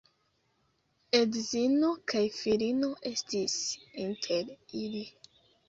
Edzino kaj filino estis inter ili.